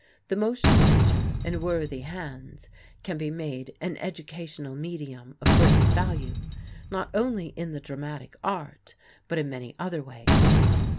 The motion picture, in worthy hands, can be made an educational medium of great value, not only in the dramatic art but in many other ways.